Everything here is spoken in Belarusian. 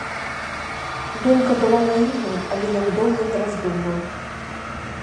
Думка была наіўная, але ён доўга не раздумваў.